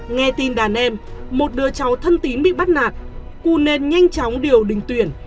nghe tin đàn em một đứa cháu thân tín bị bắt nạt cunên nhanh chóng điều bình tuyển